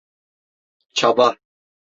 Çaba.